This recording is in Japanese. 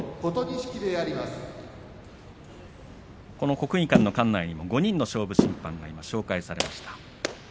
国技館の館内に５人の勝負審判が紹介されました。